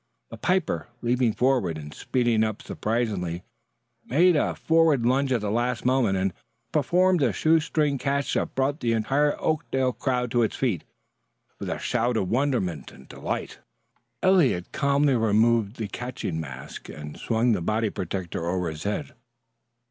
But Piper, leaping forward and speeding up surprisingly, made a forward lunge at the last moment, and performed a shoestring catch that brought the entire Oakdale crowd to its feet with a shout of wonderment and delight. Eliot calmly removed the catching mask and swung the body protector over his head.